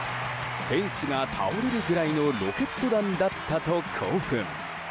フェンスが倒れるぐらいのロケット弾だったと興奮。